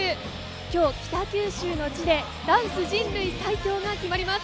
今日、北九州の地でダンス人類最強が決まります。